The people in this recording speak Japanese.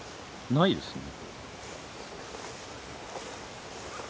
ないですね。